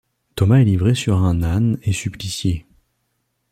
Thomas est livré sur un âne et supplicié.